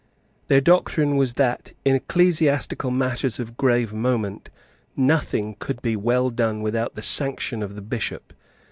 Their doctrine was that, in ecclesiastical matters of grave moment, nothing could be well done without the sanction of the Bishop.